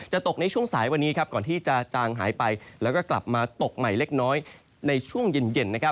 ตกในช่วงสายวันนี้ก่อนที่จะจางหายไปแล้วก็กลับมาตกใหม่เล็กน้อยในช่วงเย็น